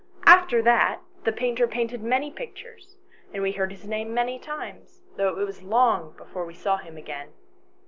After that the painter painted many pictures, and we heard his name many times, though it was long before we saw him again.